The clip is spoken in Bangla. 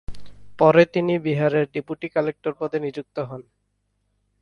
পরে তিনি বিহারের ডেপুটি কালেক্টর পদে নিযুক্ত হন।